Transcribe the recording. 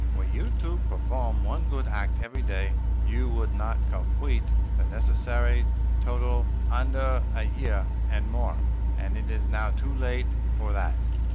Were you to perform one good act every day, you would not complete the necessary total under a year and more, and it is now too late for that.